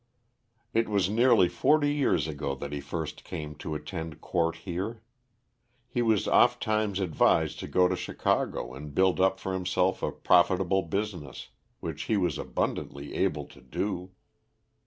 It was nearly forty years ago that he first came to attend court here. He was oft times advised to go to Chicago and build up for himself a profitable business, which he was abundantly able to do.